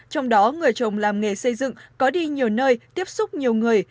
trong đó người trồng làm nghề xây dựng có đi nhiều nơi tiếp xúc nhiều người